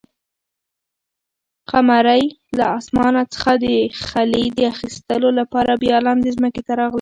قمرۍ له اسمانه څخه د خلي د اخیستلو لپاره بیا لاندې ځمکې ته راغله.